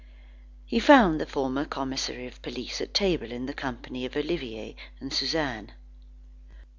He found the former commissary of police at table, in the company of Olivier and Suzanne.